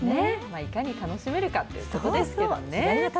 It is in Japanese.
いかに楽しめるかということですけどね。